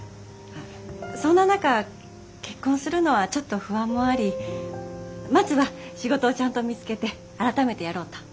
そんな中結婚するのはちょっと不安もありまずは仕事をちゃんと見つけて改めてやろうと。